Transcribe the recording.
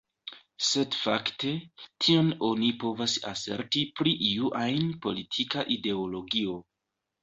Sed fakte, tion oni povas aserti pri iu ajn politika ideologio.